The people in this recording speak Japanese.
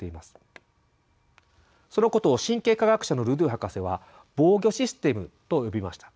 そのことを神経科学者のルドゥー博士は「防御システム」と呼びました。